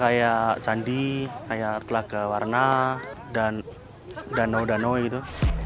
kayak candi kayak telaga warna dan danau danau gitu